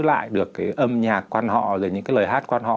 âm nhạc quan họ rồi những cái lời hát quan họ